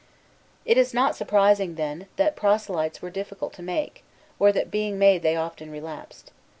It is not surprising, then, that proselytes were difficult to make, or that, being made, they often relapsed.